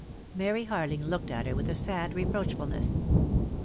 Mary Harling looked at her with a sad reproach fulness.